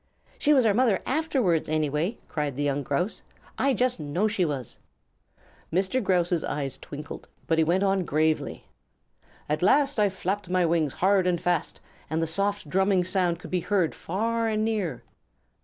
"She was our mother afterwards, anyway," cried the young Grouse. "I just know she was!" Mr. Grouse's eyes twinkled, but he went gravely on. "At last I flapped my wing's hard and fast, and the soft drumming sound could be heard far and near.